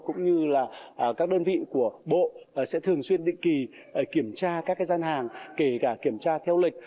cũng như là các đơn vị của bộ sẽ thường xuyên định kỳ kiểm tra các gian hàng kể cả kiểm tra theo lịch